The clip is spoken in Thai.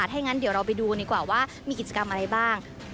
ถ้าอย่างนั้นเดี๋ยวเราไปดูดีกว่าว่ามีกิจกรรมอะไรบ้าง